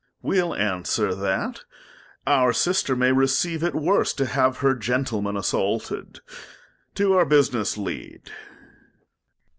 Duke. We'll answer that ; Our Sister may receive it worse, to have Her Gentleman assaulted : To our Business lead.